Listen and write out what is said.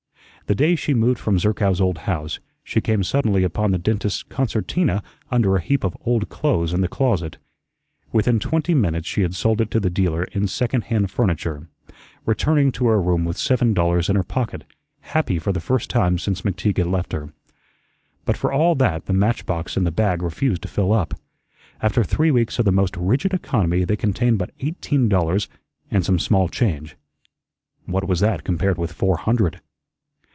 The day she moved from Zerkow's old house, she came suddenly upon the dentist's concertina under a heap of old clothes in the closet. Within twenty minutes she had sold it to the dealer in second hand furniture, returning to her room with seven dollars in her pocket, happy for the first time since McTeague had left her. But for all that the match box and the bag refused to fill up; after three weeks of the most rigid economy they contained but eighteen dollars and some small change. What was that compared with four hundred?